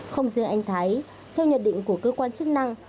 không riêng anh thái theo nhận định của cơ quan chức năng